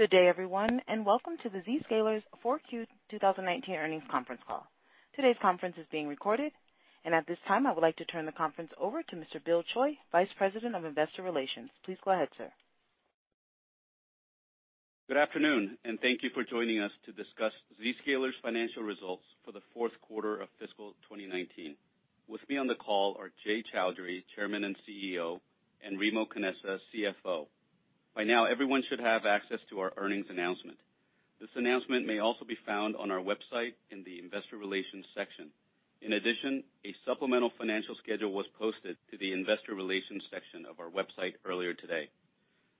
Good day everyone, welcome to the Zscaler's 4Q 2019 earnings conference call. Today's conference is being recorded, at this time, I would like to turn the conference over to Mr. Bill Choi, Vice President of Investor Relations. Please go ahead, sir. Good afternoon, and thank you for joining us to discuss Zscaler's financial results for the fourth quarter of fiscal 2019. With me on the call are Jay Chaudhry, Chairman and CEO, and Remo Canessa, CFO. By now, everyone should have access to our earnings announcement. This announcement may also be found on our website in the investor relations section. In addition, a supplemental financial schedule was posted to the investor relations section of our website earlier today.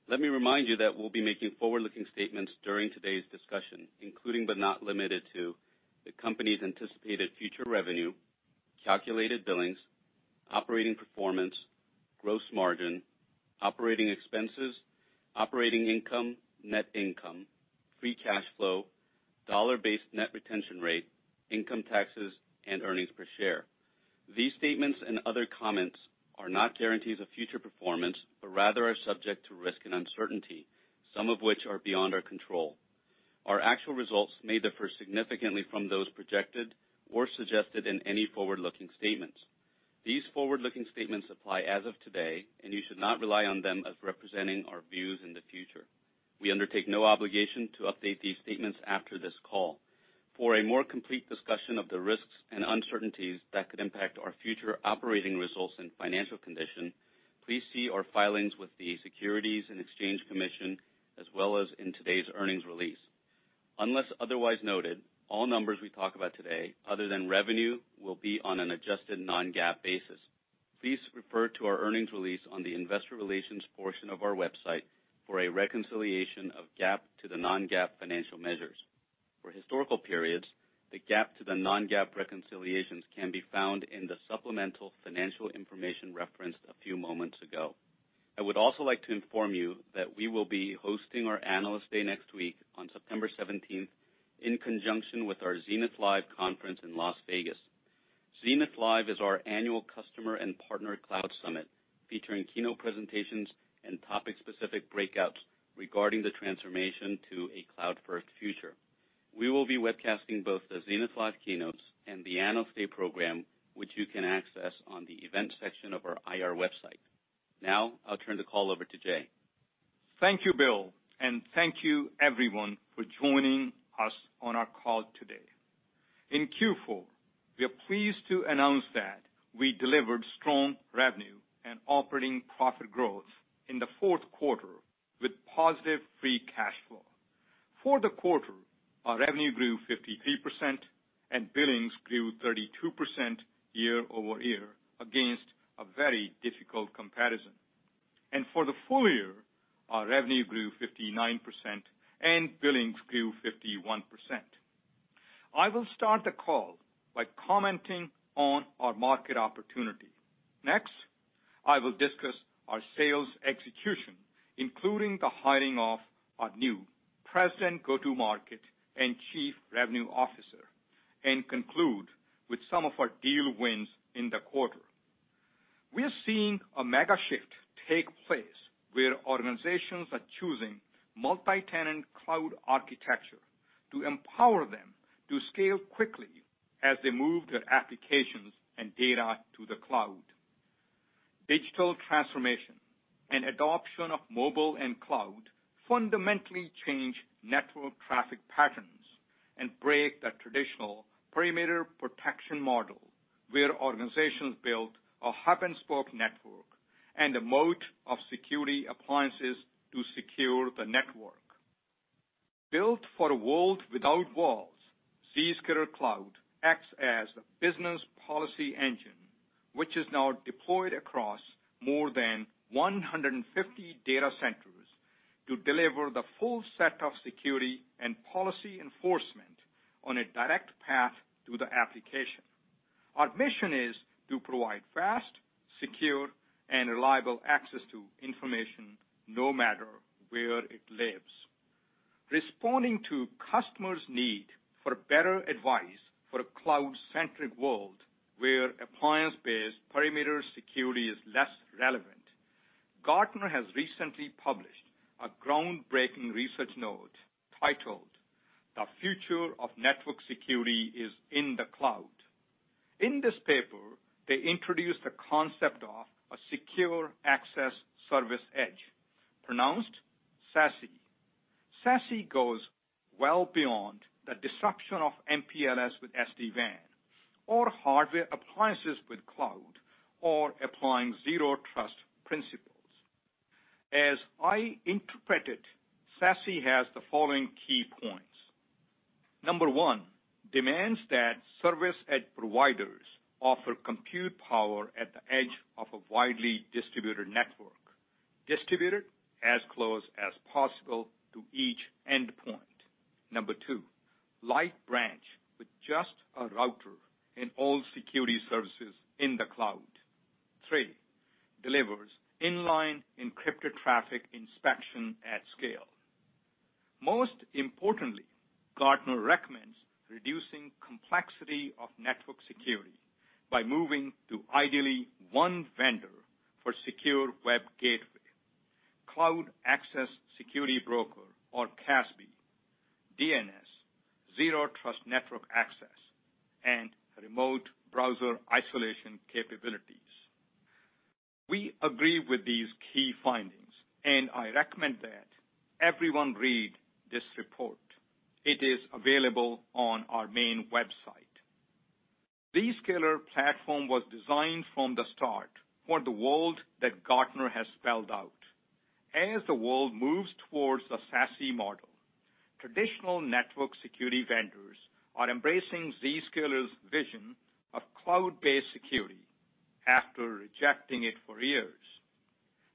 Let me remind you that we'll be making forward-looking statements during today's discussion, including but not limited to the company's anticipated future revenue, calculated billings, operating performance, gross margin, operating expenses, operating income, net income, free cash flow, dollar-based net retention rate, income taxes, and earnings per share. These statements and other comments are not guarantees of future performance, but rather are subject to risk and uncertainty, some of which are beyond our control. Our actual results may differ significantly from those projected or suggested in any forward-looking statements. These forward-looking statements apply as of today, and you should not rely on them as representing our views in the future. We undertake no obligation to update these statements after this call. For a more complete discussion of the risks and uncertainties that could impact our future operating results and financial condition, please see our filings with the Securities and Exchange Commission, as well as in today's earnings release. Unless otherwise noted, all numbers we talk about today, other than revenue, will be on an adjusted non-GAAP basis. Please refer to our earnings release on the investor relations portion of our website for a reconciliation of GAAP to the non-GAAP financial measures. For historical periods, the GAAP to the non-GAAP reconciliations can be found in the supplemental financial information referenced a few moments ago. I would also like to inform you that we will be hosting our Analyst Day next week on September 17th, in conjunction with our Zenith Live conference in Las Vegas. Zenith Live is our annual customer and partner cloud summit, featuring keynote presentations and topic-specific breakouts regarding the transformation to a cloud-first future. We will be webcasting both the Zenith Live keynotes and the Analyst Day program, which you can access on the event section of our IR website. Now, I'll turn the call over to Jay. Thank you, Bill, thank you everyone for joining us on our call today. In Q4, we are pleased to announce that we delivered strong revenue and operating profit growth in the fourth quarter, with positive free cash flow. For the quarter, our revenue grew 53% and billings grew 32% year-over-year against a very difficult comparison. For the full year, our revenue grew 59% and billings grew 51%. I will start the call by commenting on our market opportunity. Next, I will discuss our sales execution, including the hiring of our new President, Go-to-Market and CRO, and conclude with some of our deal wins in the quarter. We are seeing a mega shift take place, where organizations are choosing multi-tenant cloud architecture to empower them to scale quickly as they move their applications and data to the cloud. Digital transformation and adoption of mobile and cloud fundamentally change network traffic patterns and break the traditional perimeter protection model, where organizations built a hub-and-spoke network and a moat of security appliances to secure the network. Built for a world without walls, Zscaler cloud acts as the business policy engine, which is now deployed across more than 150 data centers to deliver the full set of security and policy enforcement on a direct path to the application. Our mission is to provide fast, secure, and reliable access to information, no matter where it lives. Responding to customers need for better advice for a cloud-centric world where appliance-based perimeter security is less relevant, Gartner has recently published a groundbreaking research note titled "The Future of Network Security is in the Cloud." In this paper, they introduce the concept of a Secure Access Service Edge, pronounced SASE. SASE goes well beyond the disruption of MPLS with SD-WAN or hardware appliances with cloud or applying zero trust principles. As I interpret it, SASE has the following key points. Number one, demands that service edge providers offer compute power at the edge of a widely distributed network, distributed as close as possible to each endpoint. Number two, light branch with just a router and all security services in the cloud. Three, delivers inline encrypted traffic inspection at scale. Most importantly, Gartner recommends reducing complexity of network security by moving to ideally one vendor for secure web gateway, cloud access security broker or CASB, DNS, zero trust network access, and remote browser isolation capabilities. We agree with these key findings. I recommend that everyone read this report. It is available on our main website. Zscaler platform was designed from the start for the world that Gartner has spelled out. As the world moves towards the SASE model, traditional network security vendors are embracing Zscaler's vision of cloud-based security after rejecting it for years.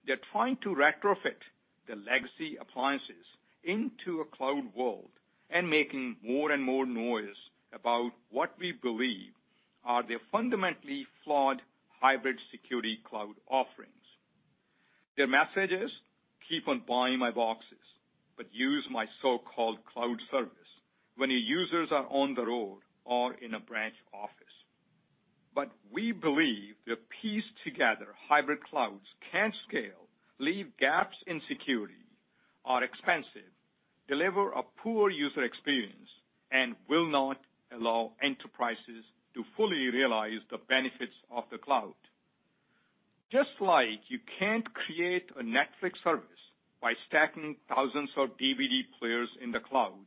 They're trying to retrofit the legacy appliances into a cloud world and making more and more noise about what we believe are their fundamentally flawed hybrid security cloud offerings. Their message is, "Keep on buying my boxes, but use my so-called cloud service when your users are on the road or in a branch office." We believe their pieced together hybrid clouds can't scale, leave gaps in security, are expensive, deliver a poor user experience, and will not allow enterprises to fully realize the benefits of the cloud. Just like you can't create a Netflix service by stacking thousands of DVD players in the cloud,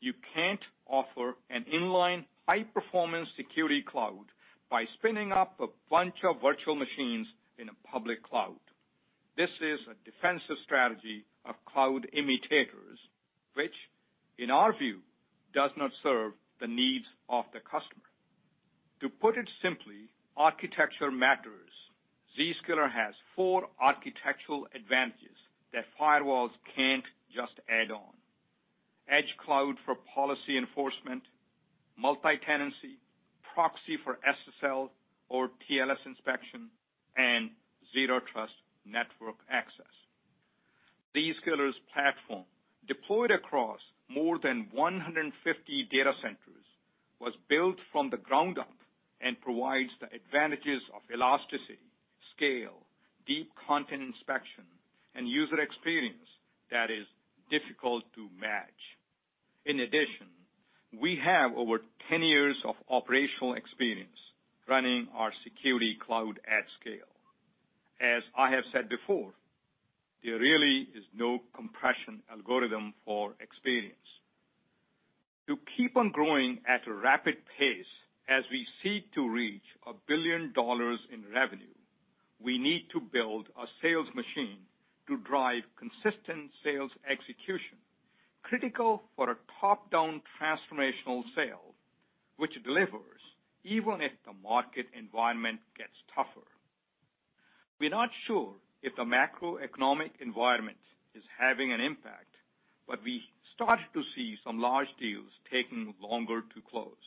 you can't offer an inline high-performance security cloud by spinning up a bunch of virtual machines in a public cloud. This is a defensive strategy of cloud imitators, which, in our view, does not serve the needs of the customer. To put it simply, architecture matters. Zscaler has four architectural advantages that firewalls can't just add on. Edge cloud for policy enforcement, multi-tenancy, proxy for SSL or TLS inspection, and Zero Trust Network Access. Zscaler's platform, deployed across more than 150 data centers, was built from the ground up and provides the advantages of elasticity, scale, deep content inspection, and user experience that is difficult to match. In addition, we have over 10 years of operational experience running our security cloud at scale. As I have said before, there really is no compression algorithm for experience. To keep on growing at a rapid pace as we seek to reach $1 billion in revenue, we need to build a sales machine to drive consistent sales execution, critical for a top-down transformational sale, which delivers even if the market environment gets tougher. We're not sure if the macroeconomic environment is having an impact, but we started to see some large deals taking longer to close.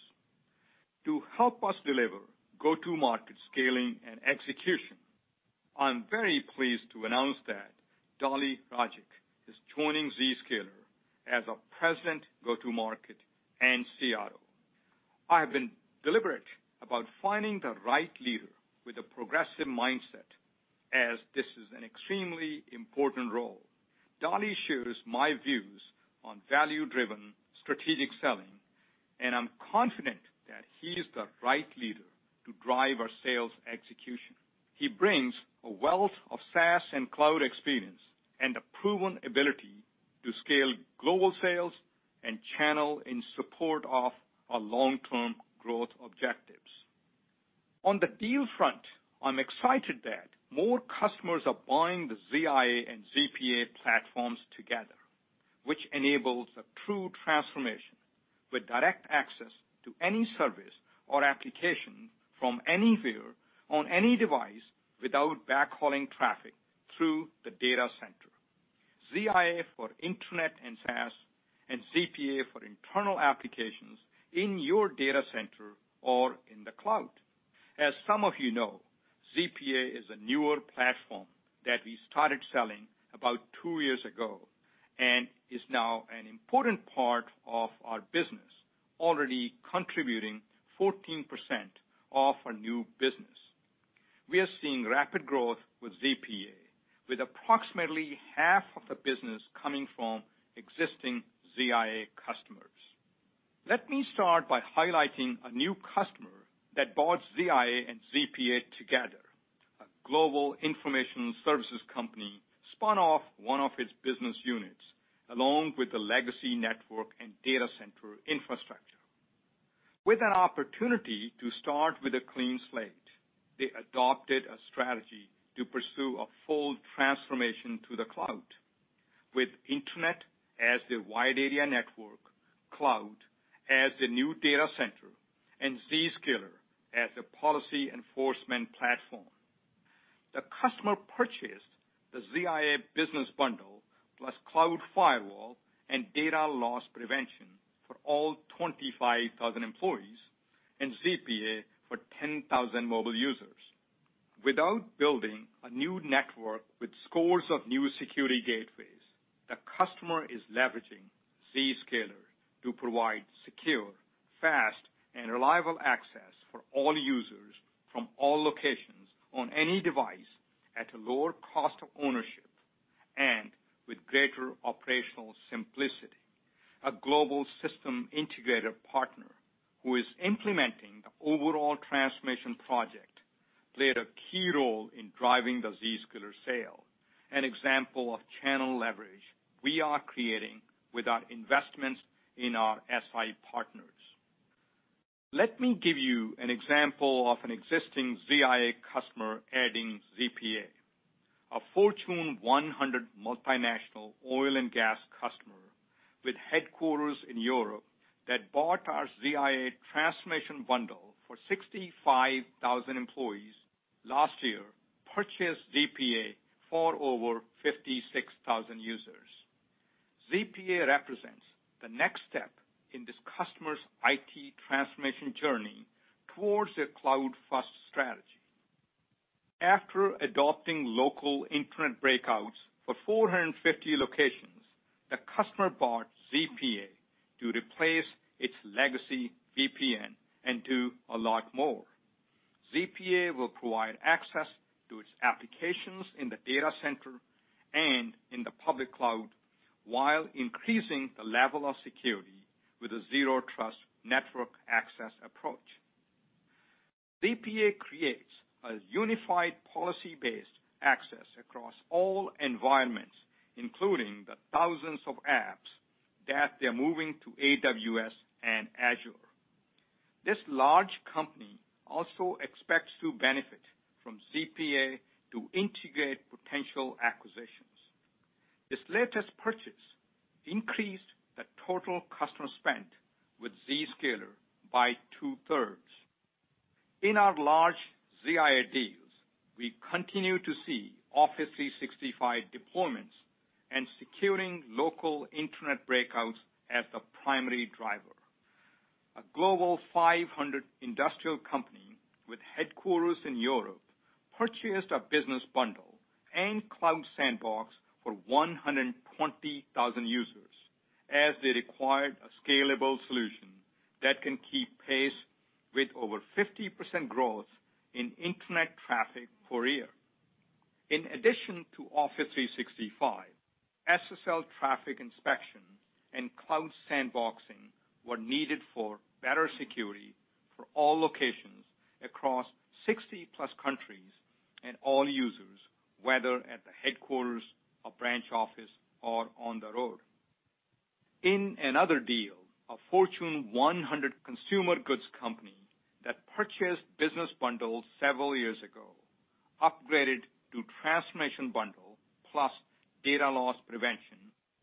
To help us deliver go-to-market scaling and execution, I'm very pleased to announce that Dali Rajic is joining Zscaler as our President, Go-to-Market and CRO. I have been deliberate about finding the right leader with a progressive mindset as this is an extremely important role. Dali shares my views on value-driven strategic selling, and I'm confident that he is the right leader to drive our sales execution. He brings a wealth of SaaS and cloud experience and a proven ability to scale global sales and channel in support of our long-term growth objectives. On the deal front, I'm excited that more customers are buying the ZIA and ZPA platforms together, which enables a true transformation with direct access to any service or application from anywhere on any device without backhauling traffic through the data center. ZIA for internet and SaaS, and ZPA for internal applications in your data center or in the cloud. As some of you know, ZPA is a newer platform that we started selling about two years ago and is now an important part of our business, already contributing 14% of our new business. We are seeing rapid growth with ZPA, with approximately half of the business coming from existing ZIA customers. Let me start by highlighting a new customer that bought ZIA and ZPA together. A global information services company spun off one of its business units, along with the legacy network and data center infrastructure. With an opportunity to start with a clean slate, they adopted a strategy to pursue a full transformation to the cloud with internet as the wide area network, cloud as the new data center, and Zscaler as the policy enforcement platform. The customer purchased the ZIA Business bundle plus Cloud Firewall and data loss prevention for all 25,000 employees and ZPA for 10,000 mobile users. Without building a new network with scores of new security gateways. The customer is leveraging Zscaler to provide secure, fast, and reliable access for all users from all locations on any device at a lower cost of ownership and with greater operational simplicity. A global system integrator partner who is implementing the overall transformation project played a key role in driving the Zscaler sale, an example of channel leverage we are creating with our investments in our SI partners. Let me give you an example of an existing ZIA customer adding ZPA. A Fortune 100 multinational oil and gas customer with headquarters in Europe that bought our ZIA Transformation bundle for 65,000 employees last year purchased ZPA for over 56,000 users. ZPA represents the next step in this customer's IT transformation journey towards a cloud-first strategy. After adopting local internet breakouts for 450 locations, the customer bought ZPA to replace its legacy VPN and do a lot more. ZPA will provide access to its applications in the data center and in the public cloud while increasing the level of security with a Zero Trust Network Access approach. ZPA creates a unified policy-based access across all environments, including the thousands of apps that they're moving to AWS and Azure. This large company also expects to benefit from ZPA to integrate potential acquisitions. This latest purchase increased the total customer spend with Zscaler by two-thirds. In our large ZIA deals, we continue to see Office 365 deployments and securing local internet breakouts as the primary driver. A Global 500 industrial company with headquarters in Europe purchased a Business bundle and Cloud Sandbox for 120,000 users as they required a scalable solution that can keep pace with over 50% growth in internet traffic per year. In addition to Office 365, SSL traffic inspection and Cloud Sandboxing were needed for better security for all locations across 60-plus countries and all users, whether at the headquarters or branch office or on the road. In another deal, a Fortune 100 consumer goods company that purchased Business bundles several years ago upgraded to Transformation bundle plus data loss prevention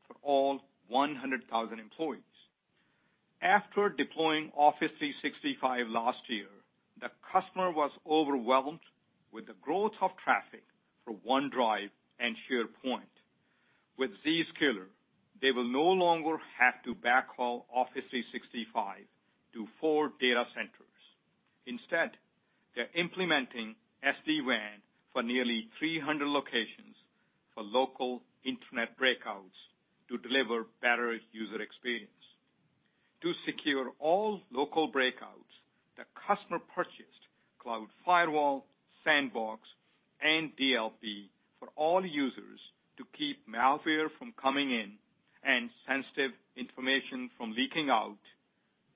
for all 100,000 employees. After deploying Office 365 last year, the customer was overwhelmed with the growth of traffic for OneDrive and SharePoint. With Zscaler, they will no longer have to backhaul Office 365 to four data centers. Instead, they're implementing SD-WAN for nearly 300 locations for local internet breakouts to deliver better user experience. To secure all local breakouts, the customer purchased Cloud Firewall, Cloud Sandbox, and DLP for all users to keep malware from coming in and sensitive information from leaking out,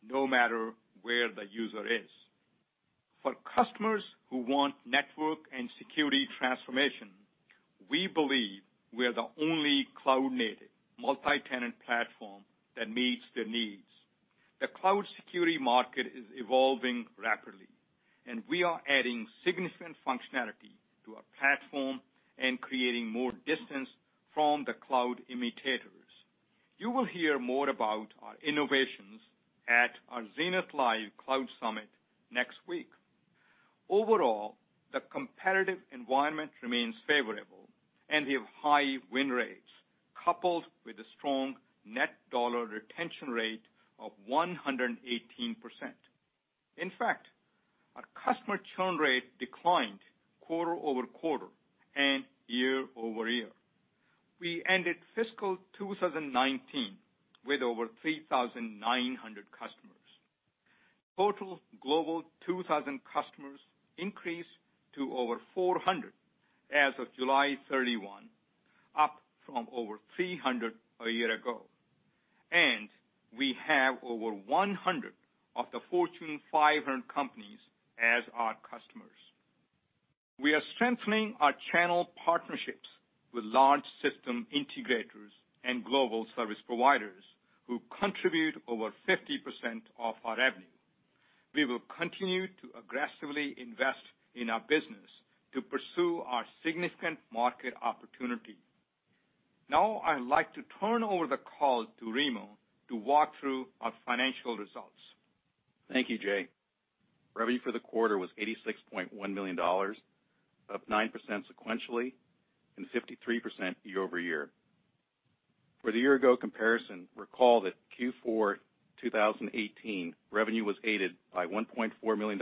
no matter where the user is. For customers who want network and security transformation, we believe we are the only cloud-native multi-tenant platform that meets their needs. The cloud security market is evolving rapidly, and we are adding significant functionality to our platform and creating more distance from the cloud imitators. You will hear more about our innovations at our Zenith Live Cloud Summit next week. Overall, the competitive environment remains favorable, and we have high win rates, coupled with a strong net dollar retention rate of 118%. In fact, our customer churn rate declined quarter-over-quarter and year-over-year. We ended fiscal 2019 with over 3,900 customers. Total Global 2000 customers increased to over 400 as of July 31, up from over 300 a year ago. We have over 100 of the Fortune 500 companies as our customers. We are strengthening our channel partnerships with large system integrators and global service providers who contribute over 50% of our revenue. We will continue to aggressively invest in our business to pursue our significant market opportunity. Now, I'd like to turn over the call to Remo to walk through our financial results. Thank you, Jay. Revenue for the quarter was $86.1 million, up 9% sequentially and 53% year-over-year. For the year-ago comparison, recall that Q4 2018 revenue was aided by $1.4 million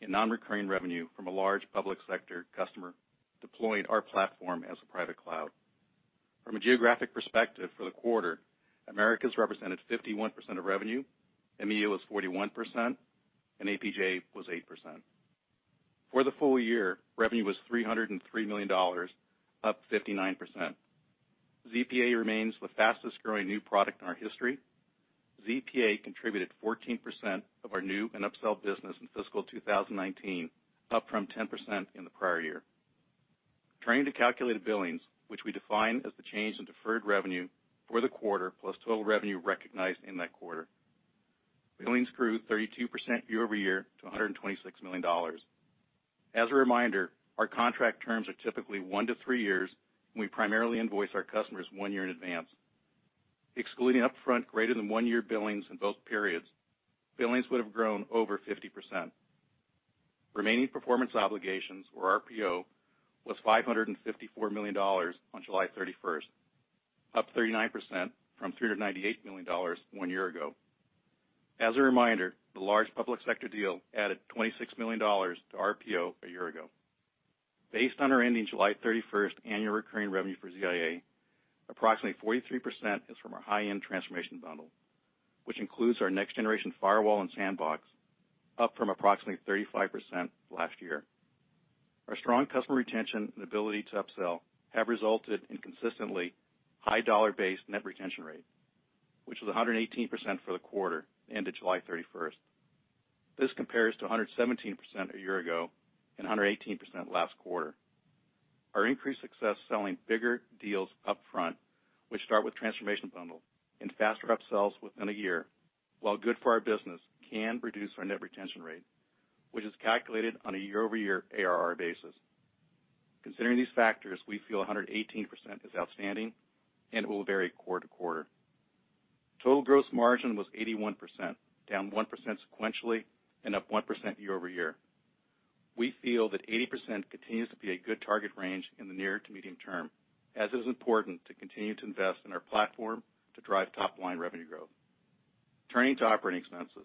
in non-recurring revenue from a large public sector customer deploying our platform as a private cloud. From a geographic perspective for the quarter, Americas represented 51% of revenue, EMEA was 41%, and APJ was 8%. For the full year, revenue was $303 million, up 59%. ZPA remains the fastest-growing new product in our history. ZPA contributed 14% of our new and upsell business in fiscal 2019, up from 10% in the prior year. Turning to calculated billings, which we define as the change in deferred revenue for the quarter, plus total revenue recognized in that quarter. Billings grew 32% year-over-year to $126 million. As a reminder, our contract terms are typically one to three years, and we primarily invoice our customers one year in advance. Excluding upfront greater than one-year billings in both periods, billings would have grown over 50%. Remaining performance obligations or RPO was $554 million on July 31st, up 39% from $398 million one year ago. As a reminder, the large public sector deal added $26 million to RPO a year ago. Based on our ending July 31st annual recurring revenue for ZIA, approximately 43% is from our high-end Transformation bundle, which includes our next-generation firewall and sandbox, up from approximately 35% last year. Our strong customer retention and ability to upsell have resulted in consistently high dollar-based net retention rate, which was 118% for the quarter ended July 31st. This compares to 117% a year ago and 118% last quarter. Our increased success selling bigger deals up front, which start with Transformation bundle and faster upsells within a year, while good for our business, can reduce our net retention rate, which is calculated on a year-over-year ARR basis. Considering these factors, we feel 118% is outstanding and it will vary quarter-to-quarter. Total gross margin was 81%, down 1% sequentially and up 1% year-over-year. We feel that 80% continues to be a good target range in the near to medium term, as it is important to continue to invest in our platform to drive top-line revenue growth. Turning to operating expenses.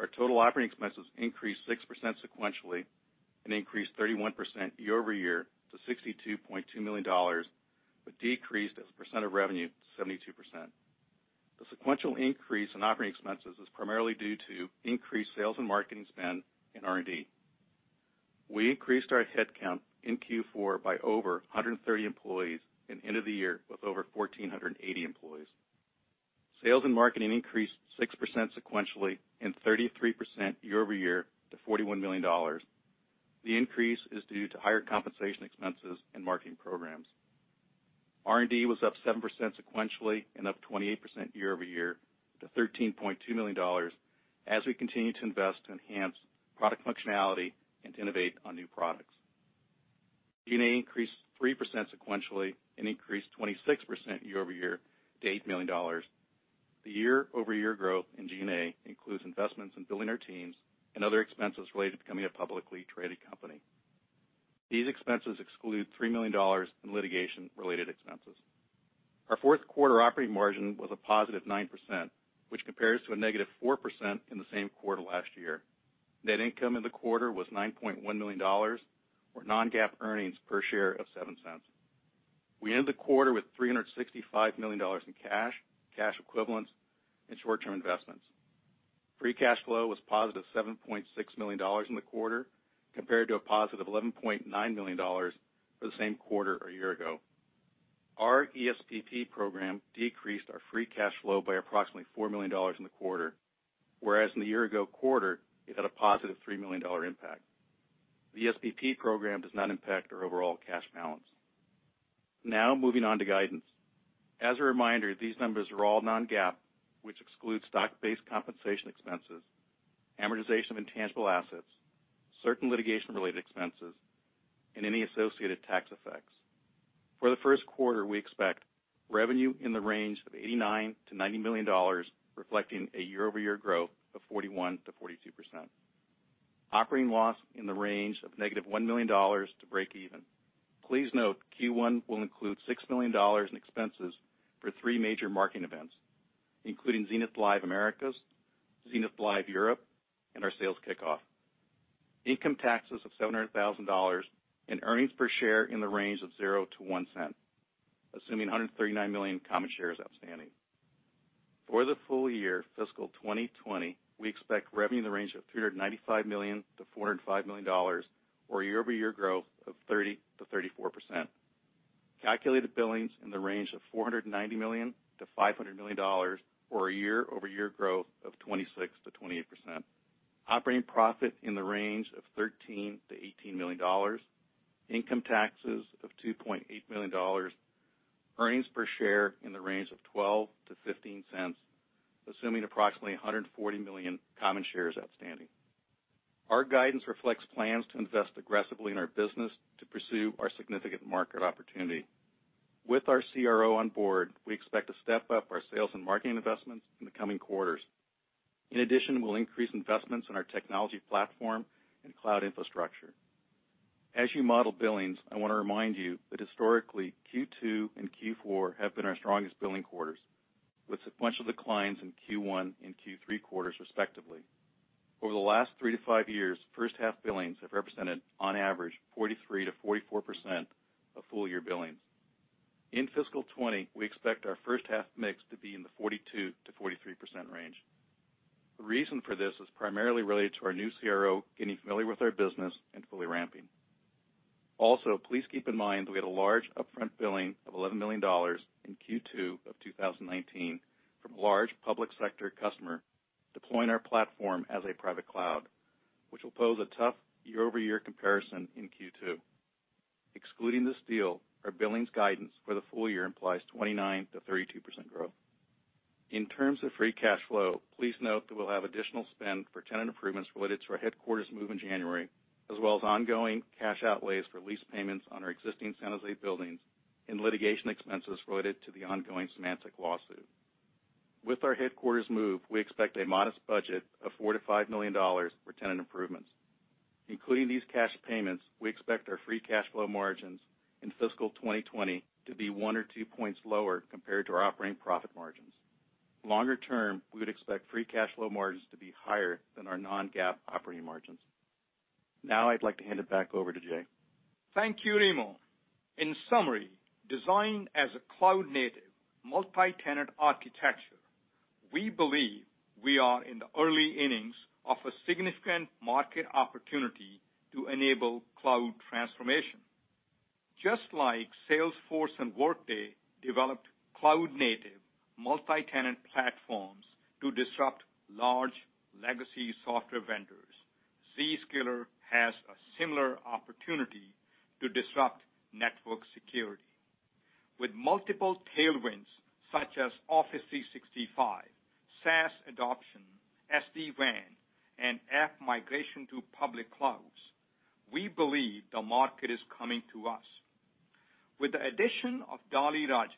Our total operating expenses increased 6% sequentially and increased 31% year-over-year to $62.2 million. Decreased as a percent of revenue to 72%. The sequential increase in operating expenses is primarily due to increased sales and marketing spend and R&D. We increased our headcount in Q4 by over 130 employees and end of the year with over 1,480 employees. Sales and marketing increased 6% sequentially and 33% year-over-year to $41 million. The increase is due to higher compensation expenses and marketing programs. R&D was up 7% sequentially and up 28% year-over-year to $13.2 million, as we continue to invest to enhance product functionality and to innovate on new products. G&A increased 3% sequentially and increased 26% year-over-year to $8 million. The year-over-year growth in G&A includes investments in building our teams and other expenses related to becoming a publicly traded company. These expenses exclude $3 million in litigation related expenses. Our fourth quarter operating margin was a positive 9%, which compares to a negative 4% in the same quarter last year. Net income in the quarter was $9.1 million, or non-GAAP earnings per share of $0.07. We ended the quarter with $365 million in cash equivalents, and short-term investments. Free cash flow was positive $7.6 million in the quarter, compared to a positive $11.9 million for the same quarter a year-ago. Our ESPP program decreased our free cash flow by approximately $4 million in the quarter, whereas in the year-ago quarter, it had a positive $3 million impact. The ESPP program does not impact our overall cash balance. Moving on to guidance. As a reminder, these numbers are all non-GAAP, which exclude stock-based compensation expenses, amortization of intangible assets, certain litigation-related expenses, and any associated tax effects. For the first quarter, we expect revenue in the range of $89 million to $90 million, reflecting a year-over-year growth of 41%-42%. Operating loss in the range of negative $1 million to break even. Please note, Q1 will include $6 million in expenses for three major marketing events, including Zenith Live Americas, Zenith Live Europe, and our sales kickoff. Income taxes of $700,000 and earnings per share in the range of $0-$0.01, assuming 139 million common shares outstanding. For the full year fiscal 2020, we expect revenue in the range of $395 million-$405 million, or year-over-year growth of 30%-34%. Calculated billings in the range of $490 million-$500 million, or a year-over-year growth of 26%-28%. Operating profit in the range of $13 million-$18 million. Income taxes of $2.8 million. Earnings per share in the range of $0.12-$0.15, assuming approximately 140 million common shares outstanding. Our guidance reflects plans to invest aggressively in our business to pursue our significant market opportunity. With our CRO on board, we expect to step up our sales and marketing investments in the coming quarters. In addition, we'll increase investments in our technology platform and cloud infrastructure. As you model billings, I want to remind you that historically, Q2 and Q4 have been our strongest billing quarters, with sequential declines in Q1 and Q3 quarters respectively. Over the last three to five years, first-half billings have represented on average 43%-44% of full-year billings. In fiscal 2020, we expect our first half mix to be in the 42%-43% range. The reason for this is primarily related to our new CRO getting familiar with our business and fully ramping. Also, please keep in mind that we had a large upfront billing of $11 million in Q2 of 2019 from a large public sector customer deploying our platform as a private cloud, which will pose a tough year-over-year comparison in Q2. Excluding this deal, our billings guidance for the full year implies 29%-32% growth. In terms of free cash flow, please note that we'll have additional spend for tenant improvements related to our headquarters move in January, as well as ongoing cash outlays for lease payments on our existing San Jose buildings and litigation expenses related to the ongoing Symantec lawsuit. With our headquarters move, we expect a modest budget of $4 million-$5 million for tenant improvements. Including these cash payments, we expect our free cash flow margins in fiscal 2020 to be 1 or 2 points lower compared to our operating profit margins. Longer term, we would expect free cash flow margins to be higher than our non-GAAP operating margins. I'd like to hand it back over to Jay. Thank you, Remo. In summary, designed as a cloud-native, multi-tenant architecture, we believe we are in the early innings of a significant market opportunity to enable cloud transformation. Just like Salesforce and Workday developed cloud-native multi-tenant platforms to disrupt large legacy software vendors, Zscaler has a similar opportunity to disrupt network security. With multiple tailwinds such as Office 365, SaaS adoption, SD-WAN, and app migration to public clouds, we believe the market is coming to us. With the addition of Dali Rajic,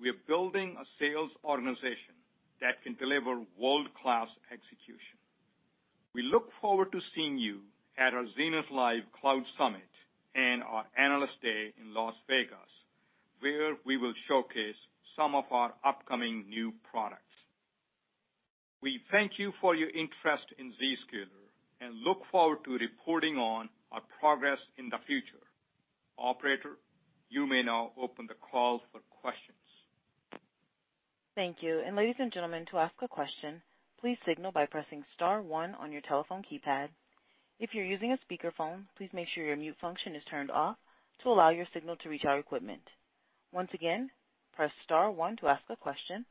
we are building a sales organization that can deliver world-class execution. We look forward to seeing you at our Zenith Live Cloud Summit and our Analyst Day in Las Vegas, where we will showcase some of our upcoming new products. We thank you for your interest in Zscaler and look forward to reporting on our progress in the future. Operator, you may now open the call for questions. Thank you. Ladies and gentlemen, to ask a question, please signal by pressing *1 on your telephone keypad. If you're using a speakerphone, please make sure your mute function is turned off to allow your signal to reach our equipment. Once again, press *1 to ask a question,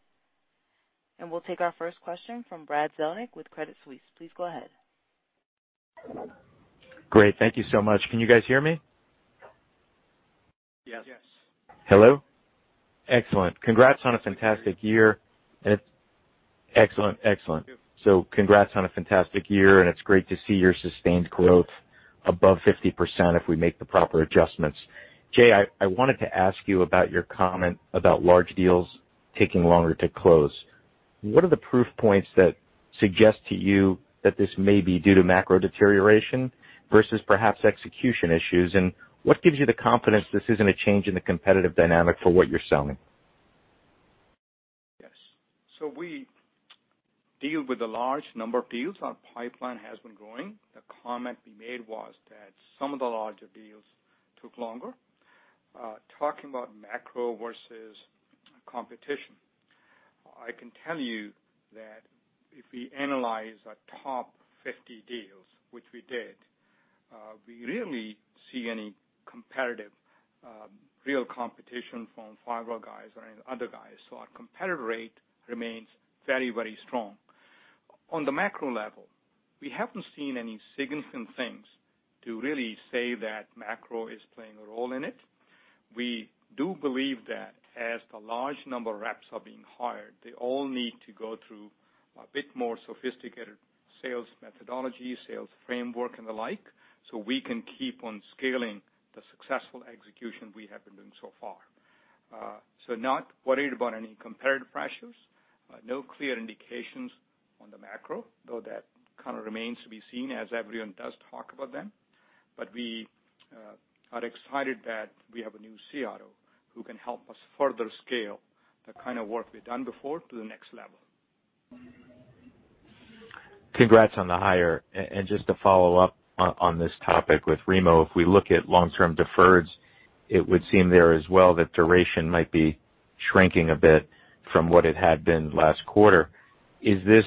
and we'll take our first question from Brad Zelnick with Credit Suisse. Please go ahead. Great. Thank you so much. Can you guys hear me? Yes. Hello? Excellent. Congrats on a fantastic year, and it's great to see your sustained growth above 50% if we make the proper adjustments. Jay, I wanted to ask you about your comment about large deals taking longer to close. What are the proof points that suggest to you that this may be due to macro deterioration versus perhaps execution issues? What gives you the confidence this isn't a change in the competitive dynamic for what you're selling? Yes. We deal with a large number of deals. Our pipeline has been growing. The comment we made was that some of the larger deals took longer. Talking about macro versus competition, I can tell you that if we analyze our top 50 deals, which we did, we rarely see any competitive, real competition from firewall guys or any other guys. Our competitive rate remains very strong. On the macro level, we haven't seen any significant things to really say that macro is playing a role in it. We do believe that as the large number of reps are being hired, they all need to go through a bit more sophisticated sales methodology, sales framework and the like, so we can keep on scaling the successful execution we have been doing so far. Not worried about any competitive pressures. No clear indications on the macro, though that kind of remains to be seen as everyone does talk about them. We are excited that we have a new CRO who can help us further scale the kind of work we've done before to the next level. Congrats on the hire. Just to follow up on this topic with Remo, if we look at long-term deferreds, it would seem there as well that duration might be shrinking a bit from what it had been last quarter. Is this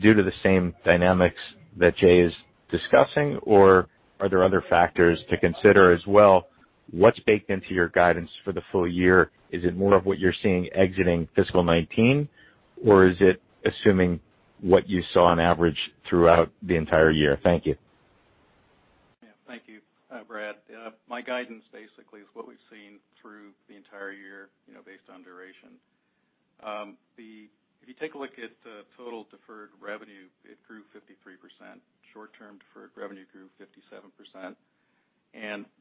due to the same dynamics that Jay is discussing, or are there other factors to consider as well? What's baked into your guidance for the full year? Is it more of what you're seeing exiting fiscal 2019, or is it assuming what you saw on average throughout the entire year? Thank you. Yeah. Thank you, Brad. My guidance basically is what we've seen through the entire year, based on duration. If you take a look at the total deferred revenue, it grew 53%. Short-term deferred revenue grew 57%.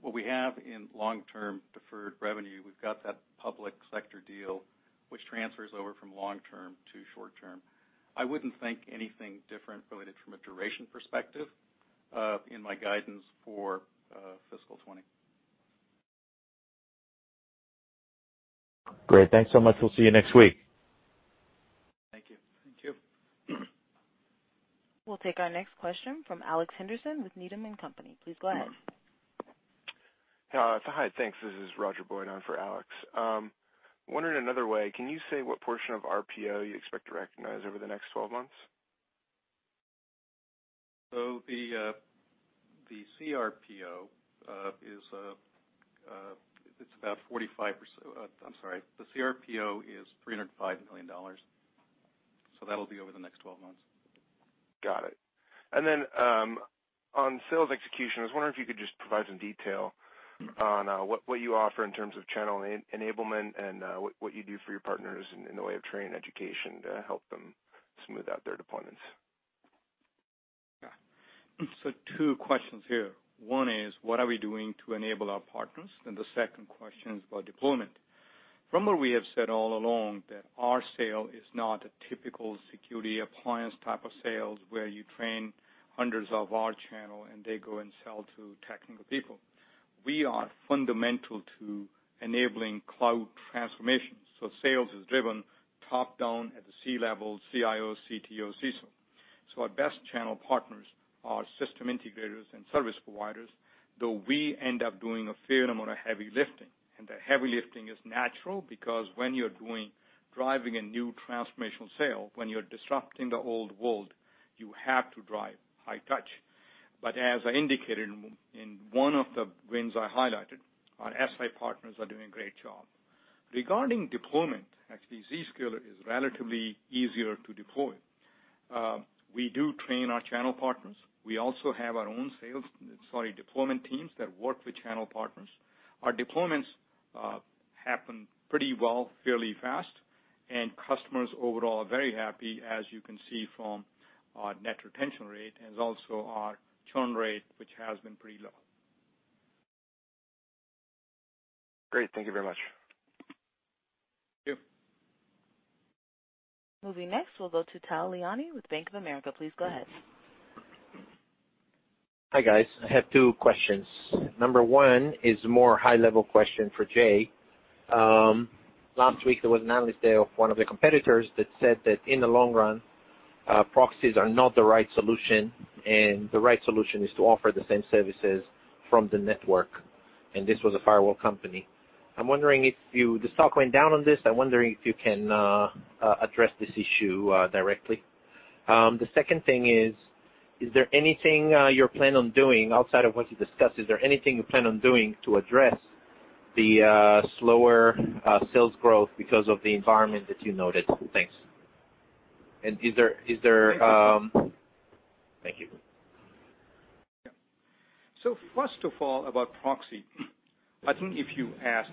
What we have in long-term deferred revenue, we've got that public sector deal which transfers over from long-term to short-term. I wouldn't think anything different related from a duration perspective in my guidance for fiscal 2020. Great. Thanks so much. We'll see you next week. Thank you. Thank you. We'll take our next question from Alex Henderson with Needham & Company. Please go ahead. Hi. Thanks. This is Roger Boyd on for Alex. Wondering another way, can you say what portion of RPO you expect to recognize over the next 12 months? The CRPO, it's about 45%. I'm sorry. The CRPO is $305 million. That'll be over the next 12 months. Got it. Then, on sales execution, I was wondering if you could just provide some detail on what you offer in terms of channel enablement and what you do for your partners in the way of training education to help them smooth out their deployments. Two questions here. One is, what are we doing to enable our partners? The second question is about deployment. From what we have said all along, that our sale is not a typical security appliance type of sales where you train hundreds of our channel and they go and sell to technical people. We are fundamental to enabling cloud transformations. Sales is driven top-down at the C-level, CIO, CTO, CISO. Our best channel partners are system integrators and service providers, though we end up doing a fair amount of heavy lifting. The heavy lifting is natural because when you're driving a new transformational sale, when you're disrupting the old world, you have to drive high touch. As I indicated in one of the wins I highlighted, our SI partners are doing a great job. Regarding deployment, actually Zscaler is relatively easier to deploy. We do train our channel partners. We also have our own sales deployment teams that work with channel partners. Our deployments happen pretty well, fairly fast, and customers overall are very happy, as you can see from our net retention rate, and also our churn rate, which has been pretty low. Great. Thank you very much. Thank you. Moving next, we'll go to Tal Liani with Bank of America. Please go ahead. Hi, guys. I have two questions. Number one is a more high-level question for Jay. Last week there was an analyst day of one of the competitors that said that in the long run, proxies are not the right solution, and the right solution is to offer the same services from the network, and this was a firewall company. The stock went down on this. I'm wondering if you can address this issue directly. The second thing is there anything you plan on doing outside of what you discussed, is there anything you plan on doing to address the slower sales growth because of the environment that you noted? Thanks. Thank you. Yeah. First of all, about proxy. I think if you asked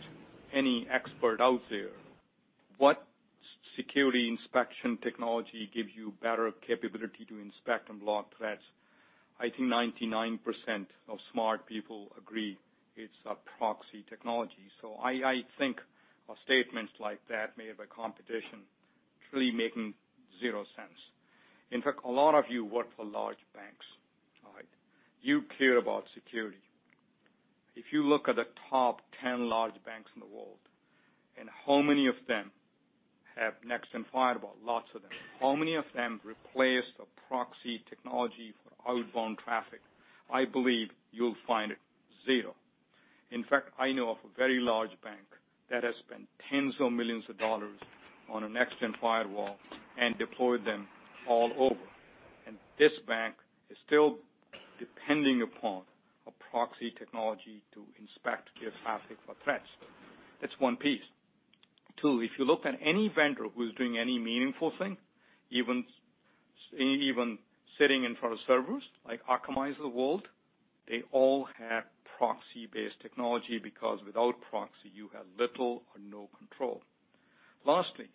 any expert out there what security inspection technology gives you better capability to inspect and block threats, I think 99% of smart people agree it's a proxy technology. I think a statement like that made by competition truly making zero sense. In fact, a lot of you work for large banks. All right? You care about security. If you look at the top 10 large banks in the world and how many of them have next-gen firewall, lots of them. How many of them replaced a proxy technology for outbound traffic? I believe you'll find it zero. In fact, I know of a very large bank that has spent tens of millions of dollars on a next-gen firewall and deployed them all over, and this bank is still depending upon a proxy technology to inspect its traffic for threats. Two, if you look at any vendor who's doing any meaningful thing, even sitting in front of servers, like Akamai's of the world, they all have proxy-based technology because without proxy, you have little or no control. Lastly,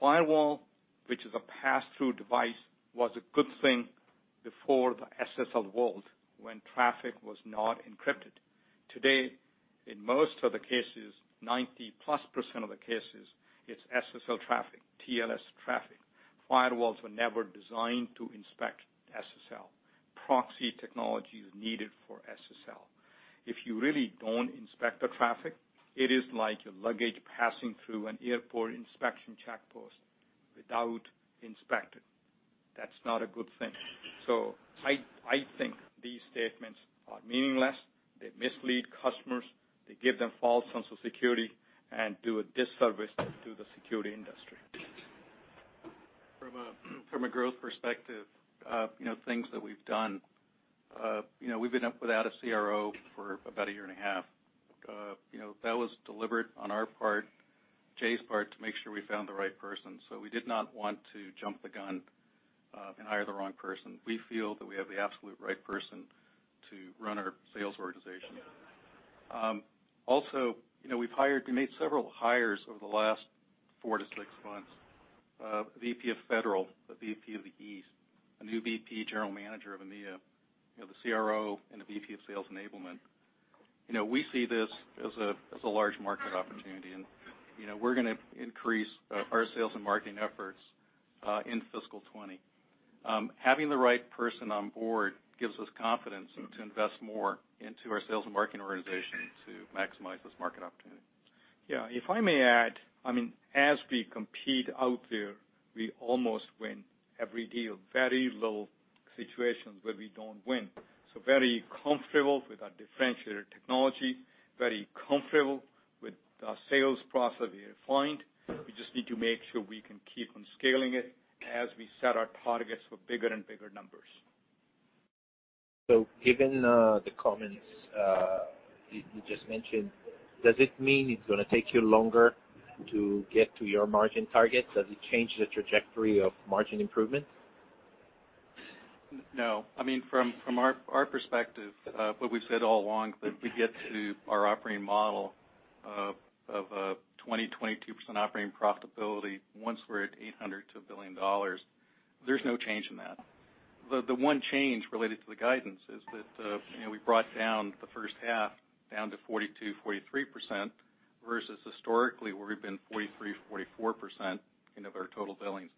firewall, which is a pass-through device, was a good thing before the SSL world, when traffic was not encrypted. Today, in most of the cases, 90%+ of the cases, it's SSL traffic, TLS traffic. Firewalls were never designed to inspect SSL. Proxy technology is needed for SSL. If you really don't inspect the traffic, it is like a luggage passing through an airport inspection check post without inspecting. That's not a good thing. I think these statements are meaningless. They mislead customers. They give them false sense of security and do a disservice to the security industry. From a growth perspective, things that we've done. We've been up without a CRO for about a year and a half. That was deliberate on our part, Jay's part, to make sure we found the right person. We did not want to jump the gun and hire the wrong person. We feel that we have the absolute right person to run our sales organization. We made several hires over the last four to six months. VP of Federal, a VP of the East, a new VP, General Manager of EMEA, the CRO, and a VP of Sales Enablement. We see this as a large market opportunity, and we're going to increase our sales and marketing efforts in fiscal 2020. Having the right person on board gives us confidence to invest more into our sales and marketing organization to maximize this market opportunity. Yeah. If I may add, as we compete out there, we almost win every deal. Very little situations where we don't win. Very comfortable with our differentiator technology, very comfortable with our sales process refined. We just need to make sure we can keep on scaling it as we set our targets for bigger and bigger numbers. Given the comments you just mentioned, does it mean it is going to take you longer to get to your margin targets? Does it change the trajectory of margin improvement? No. From our perspective, what we've said all along, that we get to our operating model of a 20%-22% operating profitability once we're at $800 million-$1 billion. There's no change in that. The one change related to the guidance is that we brought down the first half down to 42%-43%, versus historically, where we've been 43%-44% of our total billings.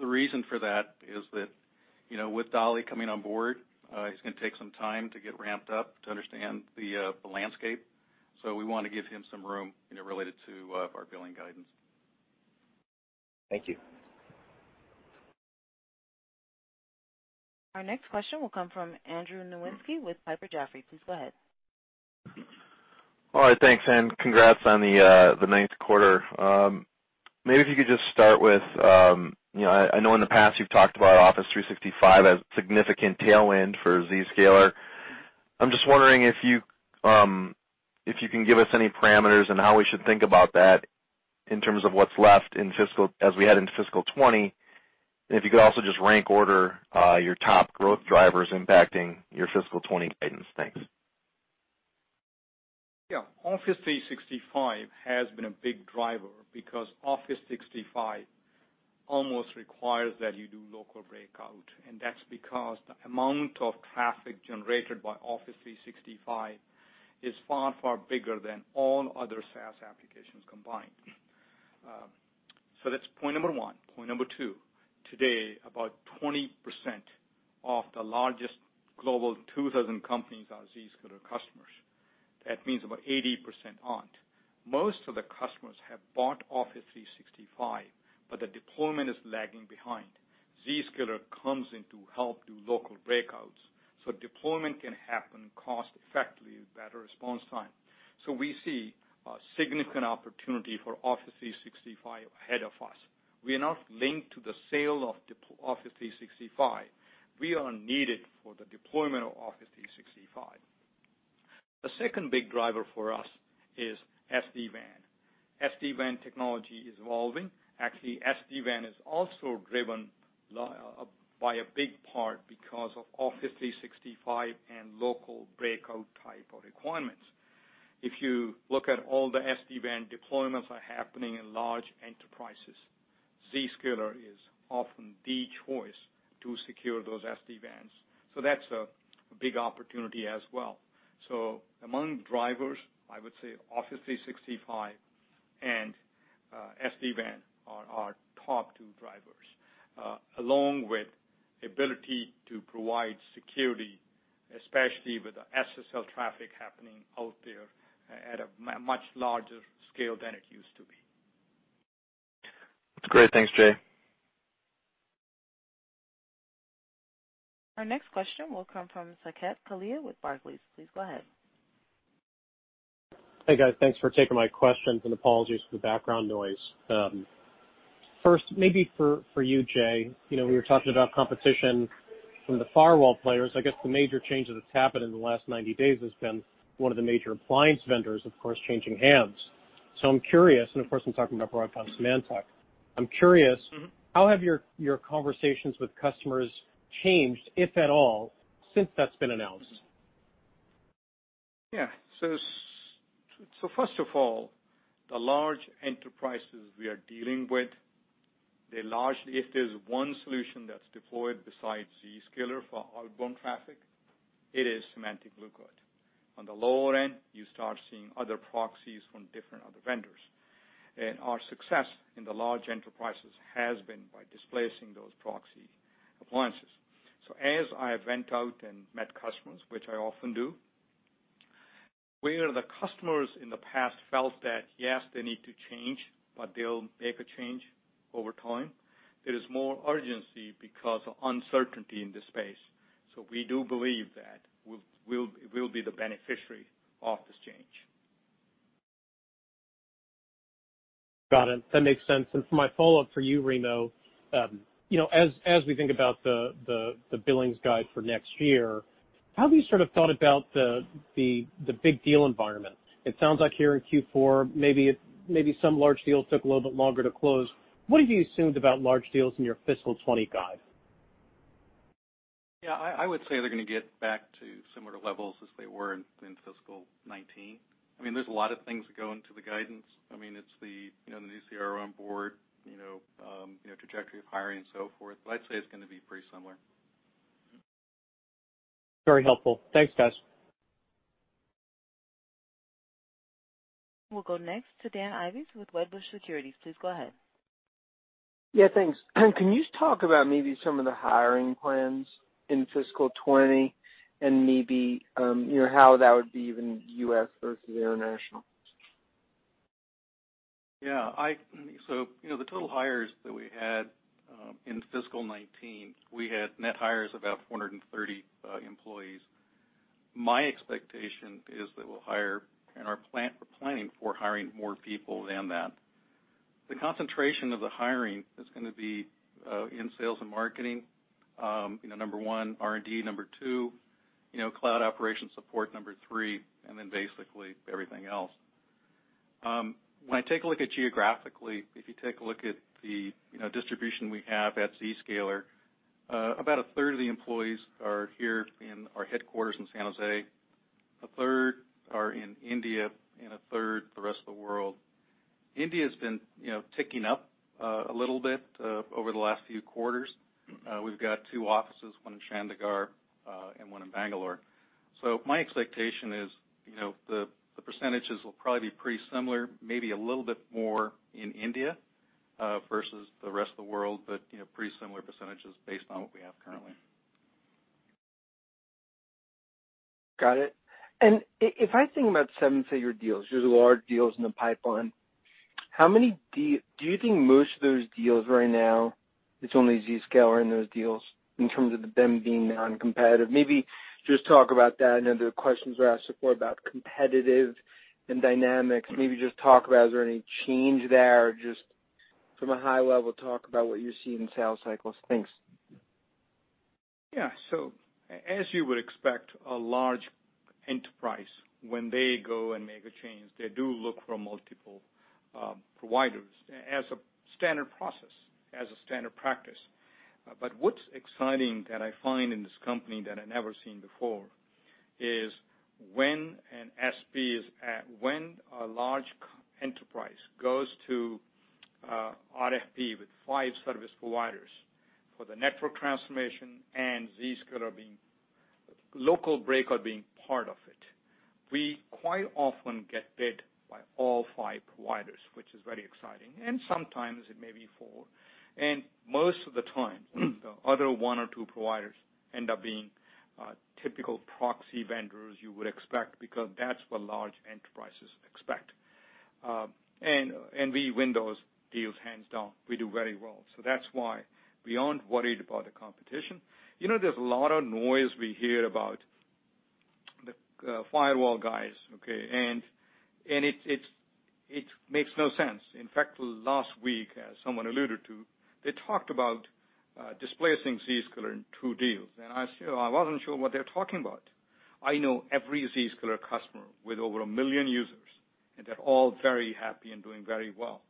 The reason for that is that, with Dali coming on board, he's going to take some time to get ramped up to understand the landscape. We want to give him some room related to our billing guidance. Thank you. Our next question will come from Andrew Nowinski with Piper Jaffray. Please go ahead. All right, thanks. Congrats on the ninth quarter. Maybe if you could just start with, I know in the past you've talked about Office 365 as a significant tailwind for Zscaler. I'm just wondering if you can give us any parameters on how we should think about that in terms of what's left as we head into fiscal 2020, if you could also just rank order your top growth drivers impacting your fiscal 2020 guidance. Thanks. Office 365 has been a big driver because Office 365 almost requires that you do local breakout, and that's because the amount of traffic generated by Office 365 is far, far bigger than all other SaaS applications combined. That's point number one. Point number two, today, about 20% of the largest global 2,000 companies are Zscaler customers. That means about 80% aren't. Most of the customers have bought Office 365, but the deployment is lagging behind. Zscaler comes in to help do local breakouts, deployment can happen cost-effectively with better response time. We see a significant opportunity for Office 365 ahead of us. We are not linked to the sale of Office 365. We are needed for the deployment of Office 365. The second big driver for us is SD-WAN. SD-WAN technology is evolving. Actually, SD-WAN is also driven by a big part because of Office 365 and local breakout type of requirements. If you look at all the SD-WAN deployments are happening in large enterprises, Zscaler is often the choice to secure those SD-WANs. That's a big opportunity as well. Among drivers, I would say Office 365 and SD-WAN are our top two drivers, along with ability to provide security, especially with the SSL traffic happening out there at a much larger scale than it used to be. That's great. Thanks, Jay. Our next question will come from Saket Kalia with Barclays. Please go ahead. Hey, guys. Thanks for taking my questions, and apologies for the background noise. Maybe for you, Jay, we were talking about competition from the firewall players. I guess the major change that's happened in the last 90 days has been one of the major appliance vendors, of course, changing hands. I'm curious, and of course, I'm talking about Broadcom Symantec. I'm curious, how have your conversations with customers changed, if at all, since that's been announced? Yeah. First of all, the large enterprises we are dealing with, if there's one solution that's deployed besides Zscaler for outbound traffic, it is Symantec Blue Coat. On the lower end, you start seeing other proxies from different other vendors. Our success in the large enterprises has been by displacing those proxy appliances. As I went out and met customers, which I often do, where the customers in the past felt that, yes, they need to change, but they'll make a change over time, there is more urgency because of uncertainty in the space. We do believe that we'll be the beneficiary of this change. Got it. That makes sense. For my follow-up for you, Remo, as we think about the billings guide for next year, how have you sort of thought about the big deal environment? It sounds like here in Q4, maybe some large deals took a little bit longer to close. What have you assumed about large deals in your fiscal 2020 guide? Yeah. I would say they're going to get back to similar levels as they were in fiscal 2019. I mean, there's a lot of things that go into the guidance. I mean, it's the new CRO on board, trajectory of hiring, and so forth. I'd say it's going to be pretty similar. Very helpful. Thanks, guys. We'll go next to Dan Ives with Wedbush Securities. Please go ahead. Yeah, thanks. Can you talk about maybe some of the hiring plans in fiscal 2020 and maybe how that would be even U.S. versus international? Yeah. The total hires that we had in fiscal 2019, we had net hires about 430 employees. My expectation is that we'll hire and are planning for hiring more people than that. The concentration of the hiring is going to be in sales and marketing, number one, R&D, number two, cloud operations support, number three, and then basically everything else. When I take a look at geographically, if you take a look at the distribution we have at Zscaler, about a third of the employees are here in our headquarters in San Jose, a third are in India, and a third, the rest of the world. India's been ticking up a little bit over the last few quarters. We've got two offices, one in Chandigarh and one in Bangalore. My expectation is the percentages will probably be pretty similar, maybe a little bit more in India, versus the rest of the world, but pretty similar percentages based on what we have currently. Got it. If I think about seven-figure deals, there's large deals in the pipeline. Do you think most of those deals right now, it's only Zscaler in those deals in terms of them being non-competitive? Maybe just talk about that. I know there are questions that are asked before about competitive and dynamics. Maybe just talk about, is there any change there? Just from a high level, talk about what you're seeing in sales cycles. Thanks. As you would expect, a large enterprise, when they go and make a change, they do look for multiple providers as a standard process, as a standard practice. What's exciting that I find in this company that I've never seen before is when a large enterprise goes to RFP with five service providers for the network transformation and Zscaler, local breakout being part of it, we quite often get bid by all five providers, which is very exciting, and sometimes it may be four. Most of the time, the other one or two providers end up being typical proxy vendors you would expect, because that's what large enterprises expect. We win those deals hands down. We do very well. That's why we aren't worried about the competition. There's a lot of noise we hear about the firewall guys, okay? It makes no sense. In fact, last week, as someone alluded to, they talked about displacing Zscaler in 2 deals, and I wasn't sure what they were talking about. I know every Zscaler customer with over 1 million users, and they're all very happy and doing very well.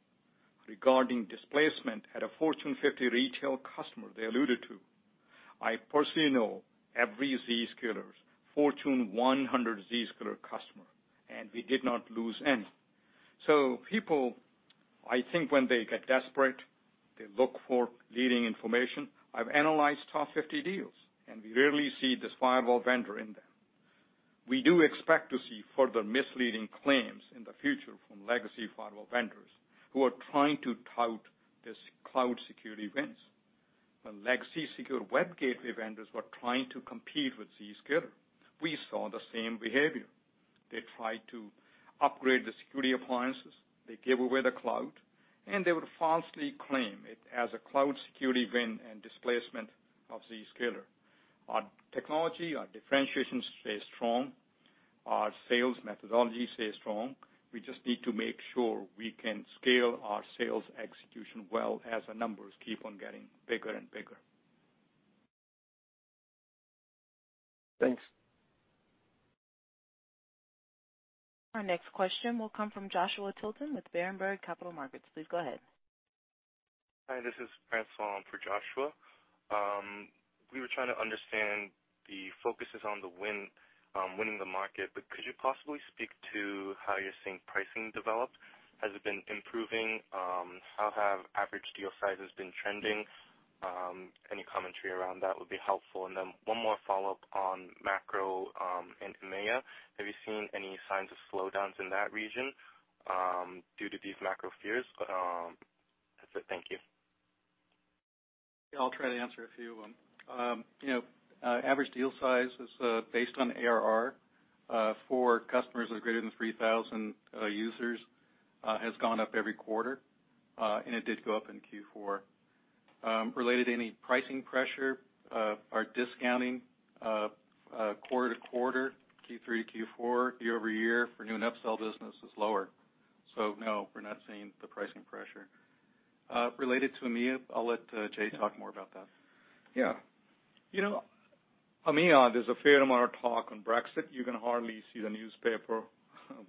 Regarding displacement at a Fortune 50 retail customer they alluded to, I personally know every Zscaler's Fortune 100 Zscaler customer, and we did not lose any. People, I think when they get desperate, they look for leading information. I've analyzed top 50 deals, and we rarely see this firewall vendor in them. We do expect to see further misleading claims in the future from legacy firewall vendors who are trying to tout this cloud security wins. When legacy secure web gateway vendors were trying to compete with Zscaler, we saw the same behavior. They tried to upgrade the security appliances, they gave away the cloud, and they would falsely claim it as a cloud security win and displacement of Zscaler. Our technology, our differentiation stays strong, our sales methodology stays strong. We just need to make sure we can scale our sales execution well as our numbers keep on getting bigger and bigger. Thanks. Our next question will come from Joshua Tilton with Berenberg Capital Markets. Please go ahead. Hi, this is Francois for Joshua. We were trying to understand the focuses on the winning the market. Could you possibly speak to how you're seeing pricing develop? Has it been improving? How have average deal sizes been trending? Any commentary around that would be helpful. One more follow-up on macro in EMEA. Have you seen any signs of slowdowns in that region due to these macro fears? That's it. Thank you. I'll try to answer a few of them. Average deal size is based on ARR for customers with greater than 3,000 users, has gone up every quarter, and it did go up in Q4. Related to any pricing pressure, our discounting quarter-to-quarter, Q3 to Q4, year-over-year for new and upsell business is lower. No, we're not seeing the pricing pressure. Related to EMEA, I'll let Jay talk more about that. Yeah. EMEA, there's a fair amount of talk on Brexit. You can hardly see the newspaper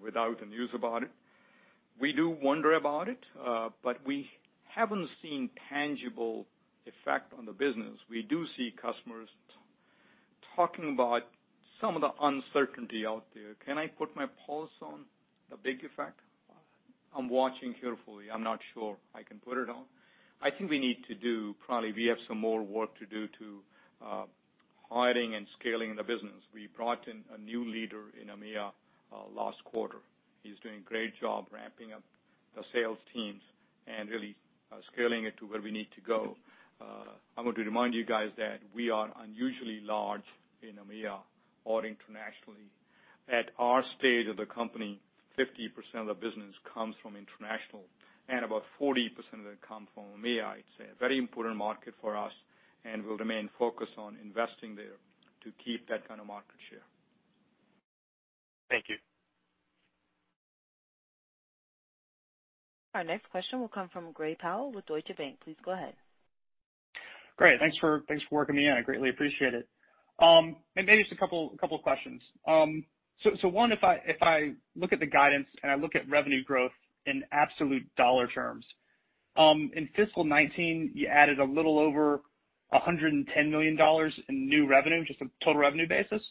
without the news about it. We do wonder about it, but we haven't seen tangible effect on the business. Talking about some of the uncertainty out there, can I put my pulse on the big effect? I'm watching carefully. I'm not sure I can put it on. Probably we have some more work to do to hiring and scaling the business. We brought in a new leader in EMEA last quarter. He's doing a great job ramping up the sales teams and really scaling it to where we need to go. I want to remind you guys that we are unusually large in EMEA or internationally. At our stage of the company, 50% of the business comes from international and about 40% of it come from EMEA, I'd say. A very important market for us. We'll remain focused on investing there to keep that kind of market share. Thank you. Our next question will come from Gray Powell with Deutsche Bank. Please go ahead. Great. Thanks for working me in. I greatly appreciate it. One, if I look at the guidance and I look at revenue growth in absolute dollar terms, in fiscal 2019, you added a little over $110 million in new revenue, just a total revenue basis.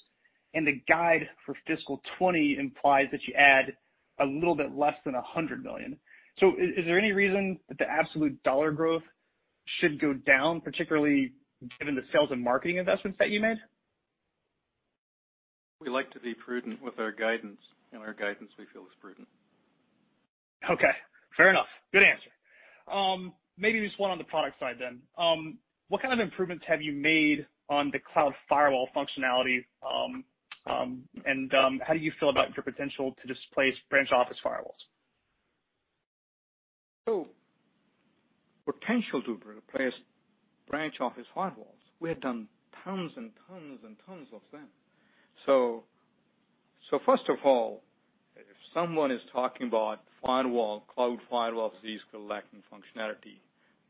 The guide for fiscal 2020 implies that you add a little bit less than $100 million. Is there any reason that the absolute dollar growth should go down, particularly given the sales and marketing investments that you made? We like to be prudent with our guidance, and our guidance, we feel, is prudent. Okay. Fair enough. Good answer. Maybe just one on the product side then. What kind of improvements have you made on the Cloud Firewall functionality? How do you feel about your potential to displace branch office firewalls? Potential to replace branch office firewalls. We have done tons and tons of them. First of all, if someone is talking about firewall, cloud firewalls, these collecting functionality,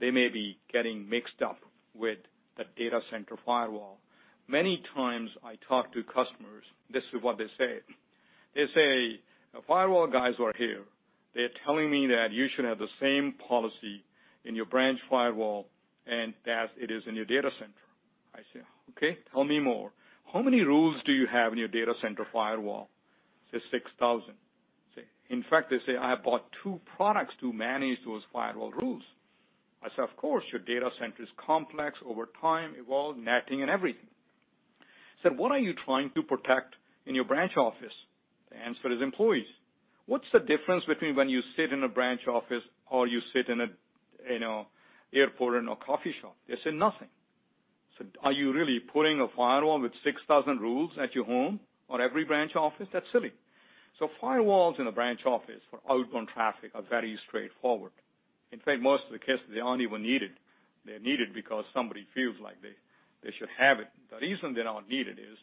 they may be getting mixed up with the data center firewall. Many times I talk to customers, this is what they say. They say, "Firewall guys are here. They're telling me that you should have the same policy in your branch firewall and as it is in your data center." I say, "Okay, tell me more. How many rules do you have in your data center firewall?" They say, "6,000." In fact, they say, "I bought two products to manage those firewall rules." I say, "Of course, your data center is complex over time, evolved, netting and everything." I said, "What are you trying to protect in your branch office?" The answer is employees. What's the difference between when you sit in a branch office or you sit in an airport or in a coffee shop? They say nothing. I said, "Are you really putting a firewall with 6,000 rules at your home or every branch office? That's silly." Firewalls in a branch office for outbound traffic are very straightforward. In fact, most of the cases, they aren't even needed. They're needed because somebody feels like they should have it. The reason they're not needed is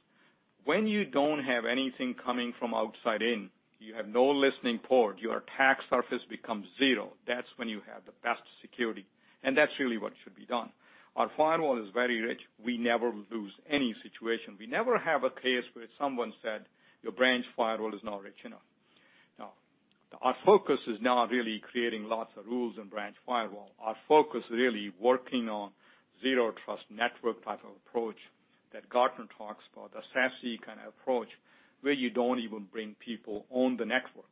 when you don't have anything coming from outside in, you have no listening port, your attack surface becomes zero. That's when you have the best security, and that's really what should be done. Our firewall is very rich. We never lose any situation. We never have a case where someone said, "Your branch firewall is not rich enough." No. Our focus is not really creating lots of rules in branch firewall. Our focus really working on zero trust network type of approach that Gartner talks about, a SASE kind of approach, where you don't even bring people on the network.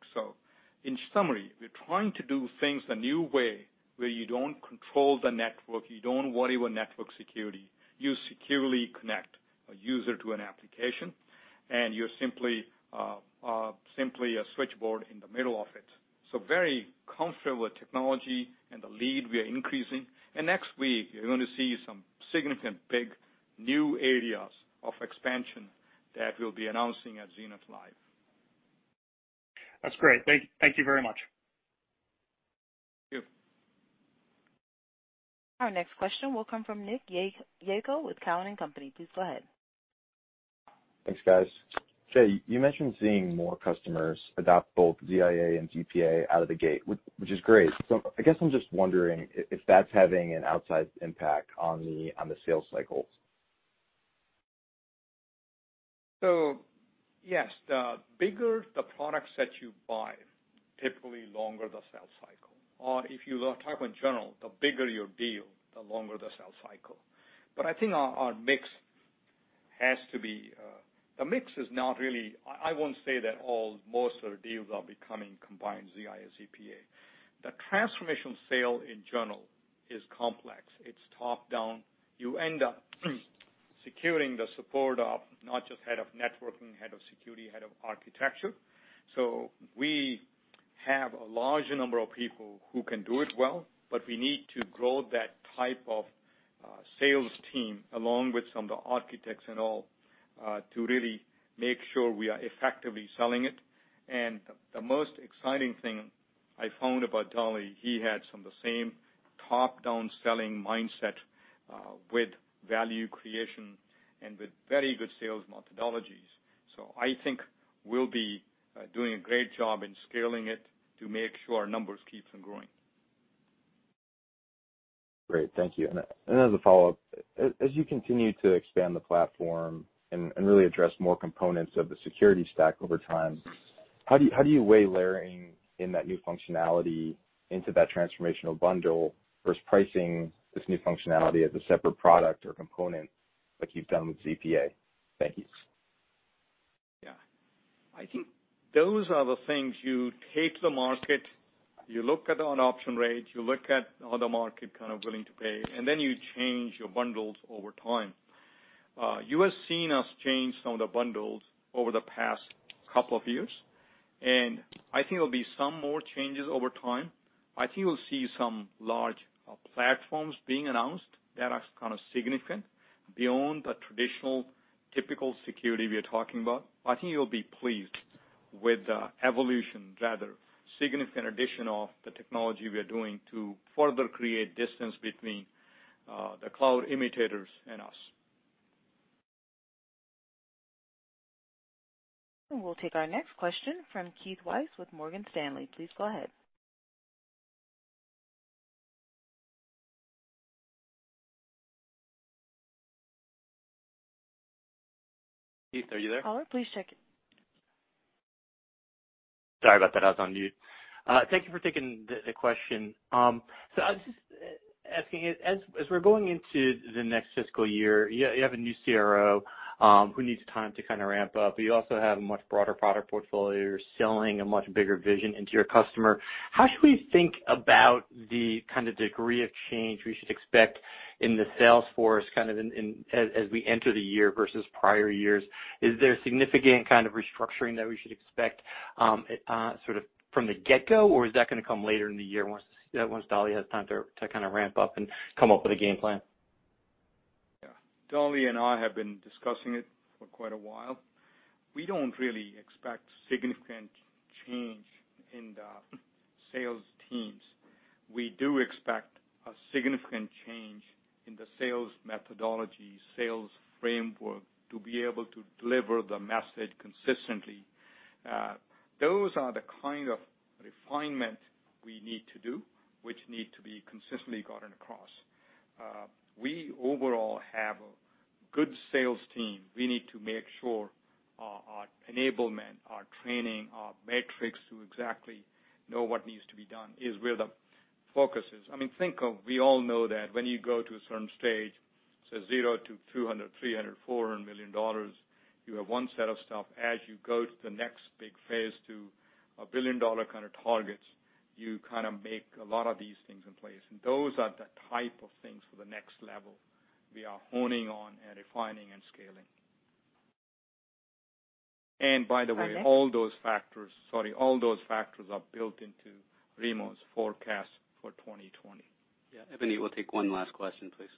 In summary, we're trying to do things a new way where you don't control the network. You don't worry with network security. You securely connect a user to an application, and you're simply a switchboard in the middle of it. Very comfortable with technology and the lead we are increasing. Next week, you're going to see some significant, big, new areas of expansion that we'll be announcing at Zenith Live. That's great. Thank you very much. Thank you. Our next question will come from Nick Yako with Cowen and Company. Please go ahead. Thanks, guys. Jay, you mentioned seeing more customers adopt both ZIA and ZPA out of the gate, which is great. I guess I'm just wondering if that's having an outsized impact on the sales cycles. Yes, the bigger the products that you buy, typically longer the sales cycle. Or if you talk in general, the bigger your deal, the longer the sales cycle. I think our mix is not really, I won't say that all, most of the deals are becoming combined ZIA, ZPA. The transformation sale in general is complex. It's top-down. You end up securing the support of not just head of networking, head of security, head of architecture. We have a large number of people who can do it well, but we need to grow that type of sales team along with some of the architects and all, to really make sure we are effectively selling it. The most exciting thing I found about Dali, he had some of the same top-down selling mindset with value creation and with very good sales methodologies. I think we'll be doing a great job in scaling it to make sure our numbers keep on growing. Great. Thank you. As a follow-up, as you continue to expand the platform and really address more components of the security stack over time, how do you weigh layering in that new functionality into that Transformation bundle versus pricing this new functionality as a separate product or component like you've done with ZPA? Thank you. Yeah. I think those are the things you take to the market, you look at adoption rate, you look at how the market willing to pay, and then you change your bundles over time. You have seen us change some of the bundles over the past couple of years, I think there'll be some more changes over time. I think you'll see some large platforms being announced that are significant beyond the traditional typical security we are talking about. I think you'll be pleased with the evolution, rather significant addition of the technology we are doing to further create distance between the cloud imitators and us. We'll take our next question from Keith Weiss with Morgan Stanley. Please go ahead. Keith, are you there? Caller, please check. Sorry about that. I was on mute. Thank you for taking the question. I was just asking, as we're going into the next fiscal year, you have a new CRO who needs time to kind of ramp up. You also have a much broader product portfolio. You're selling a much bigger vision into your customer. How should we think about the kind of degree of change we should expect in the sales force, kind of as we enter the year versus prior years? Is there significant kind of restructuring that we should expect sort of from the get-go, or is that going to come later in the year once Dali has time to kind of ramp up and come up with a game plan? Yeah. Dali and I have been discussing it for quite a while. We don't really expect significant change in the sales teams. We do expect a significant change in the sales methodology, sales framework to be able to deliver the message consistently. Those are the kind of refinement we need to do, which need to be consistently gotten across. We overall have a good sales team. We need to make sure our enablement, our training, our metrics to exactly know what needs to be done is where the focus is. I mean, we all know that when you go to a certain stage, say zero to $200 million, $300 million, $400 million, you have one set of stuff. As you go to the next big phase to a billion-dollar kind of targets, you make a lot of these things in place. Those are the type of things for the next level we are honing on and refining and scaling. Sorry. All those factors are built into Remo's forecast for 2020. Yeah. Ebony, we'll take one last question, please.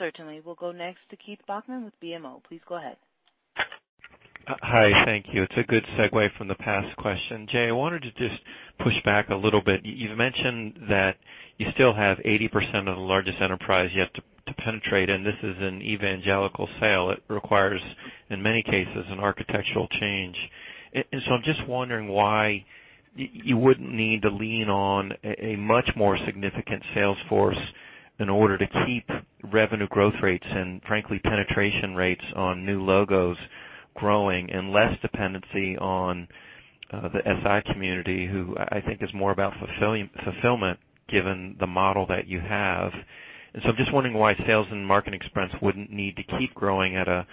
Certainly. We'll go next to Keith Bachman with BMO. Please go ahead. Hi. Thank you. It's a good segue from the past question. Jay, I wanted to just push back a little bit. You've mentioned that you still have 80% of the largest enterprise you have to penetrate, and this is an evangelical sale. It requires, in many cases, an architectural change. I'm just wondering why you wouldn't need to lean on a much more significant sales force in order to keep revenue growth rates and frankly, penetration rates on new logos growing and less dependency on the SI community, who I think is more about fulfillment given the model that you have. I'm just wondering why sales and market expense wouldn't need to keep growing at a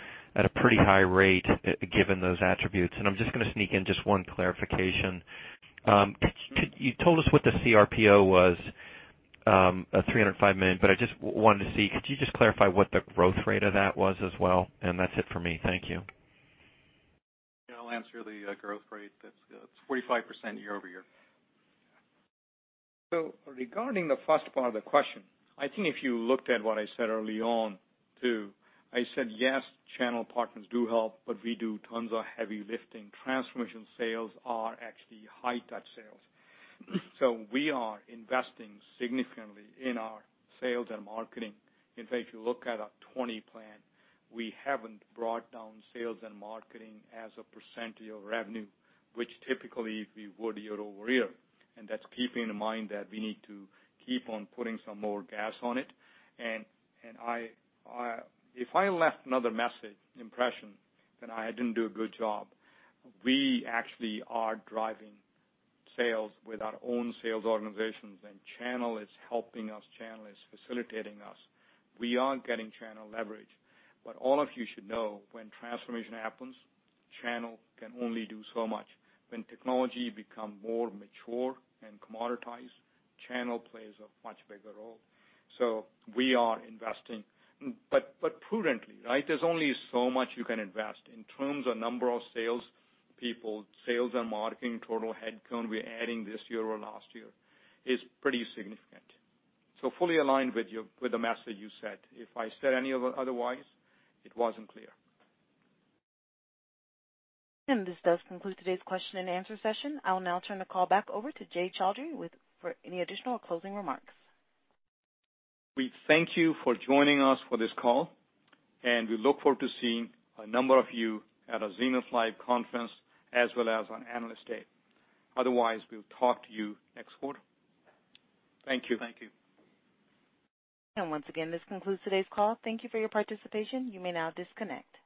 pretty high rate given those attributes. I'm just going to sneak in just one clarification. You told us what the CRPO was, $305 million, but I just wanted to see, could you just clarify what the growth rate of that was as well? That's it for me. Thank you. I'll answer the growth rate. That's 45% year-over-year. Regarding the first part of the question, I think if you looked at what I said early on, too, I said, yes, channel partners do help, but we do tons of heavy lifting. Transformation sales are actually high-touch sales. We are investing significantly in our sales and marketing. In fact, if you look at our 2020 plan, we haven't brought down sales and marketing as a percentage of revenue, which typically we would year-over-year. That's keeping in mind that we need to keep on putting some more gas on it. If I left another message impression, then I didn't do a good job. We actually are driving sales with our own sales organizations, and channel is helping us. Channel is facilitating us. We are getting channel leverage. What all of you should know, when transformation happens, channel can only do so much. When technology become more mature and commoditized, channel plays a much bigger role. We are investing, but prudently, right? There's only so much you can invest. In terms of number of salespeople, sales and marketing, total headcount we're adding this year or last year is pretty significant. Fully aligned with the message you said. If I said any otherwise, it wasn't clear. This does conclude today's question and answer session. I'll now turn the call back over to Jay Chaudhry for any additional closing remarks. We thank you for joining us for this call, and we look forward to seeing a number of you at our ZenithLive conference as well as on Analyst Day. Otherwise, we'll talk to you next quarter. Thank you. Thank you. Once again, this concludes today's call. Thank you for your participation. You may now disconnect.